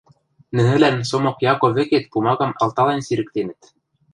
нӹнӹлӓн Сомок Яко вӹкет пумагам алтален сирӹктенӹт.